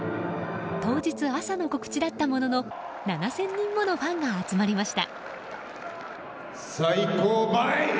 当日、朝の告知だったものの７０００人ものファンが集まりました。